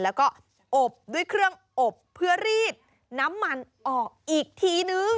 แล้วก็อบด้วยเครื่องอบเพื่อรีดน้ำมันออกอีกทีนึง